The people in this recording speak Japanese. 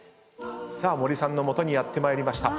さあ森さんの元にやってまいりました。